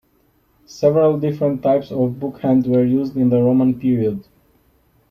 Several different types of book-hand were used in the Roman period.